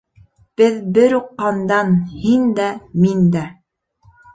— Беҙ бер үк ҡандан — һин дә, мин дә!